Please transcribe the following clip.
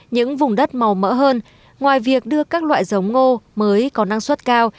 những vùng đất màu mỡ hơn ngoài việc đưa các loại giống ngô mới có năng suất cao